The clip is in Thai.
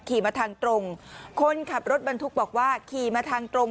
ขี่มาทางตรงคนขับรถบรรทุกบอกว่าขี่มาทางตรง